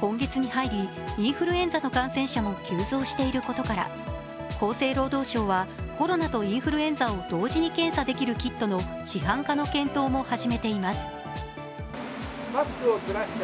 今月に入り、インフルエンザの感染者も急増していることから厚生労働省はコロナとインフルエンザを同時に検査できるキットの市販化の検討も始めています。